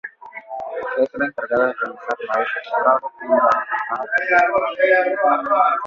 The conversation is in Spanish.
Es la encargada de realizar la Expo Prado en la Rural del Prado.